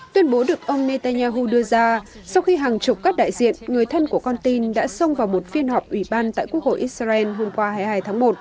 tuyên bố được ông netanyahu đưa ra sau khi hàng chục các đại diện người thân của con tin đã xông vào một phiên họp ủy ban tại quốc hội israel hôm qua hai mươi hai tháng một